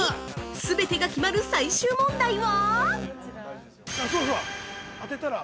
全てが決まる最終問題は？